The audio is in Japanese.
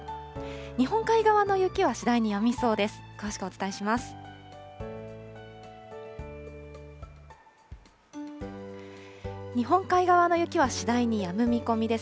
日本海側の雪は次第にやみそうです。